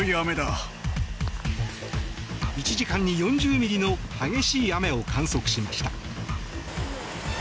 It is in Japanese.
１時間に４０ミリの激しい雨を観測しました。